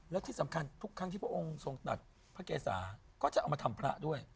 และที่สำคัญทุกครั้งที่พระองค์ทรงตัดพระเกษาก็จะเอามาทำพระด้วย